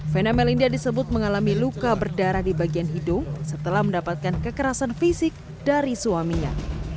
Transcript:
vena melinda disebut mengalami luka berdarah di bagian hidung setelah mendapatkan kekerasan fisik dari suaminya